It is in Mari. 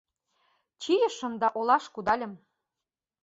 Чийшым да олаш кудальым.